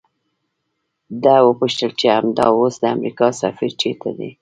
ده وپوښتل چې همدا اوس د امریکا سفیر چیرته دی؟